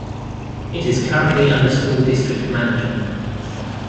It is currently under School District management.